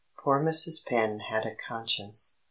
_ Poor Mrs. Penn had a conscience.